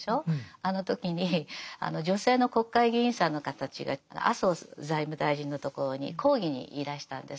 あの時に女性の国会議員さんの方たちが麻生財務大臣のところに抗議にいらしたんです。